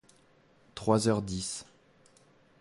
Trois heures dix.